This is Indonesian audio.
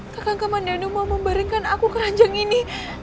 kakang kamandiano mau membaringkan aku ke ranjang ini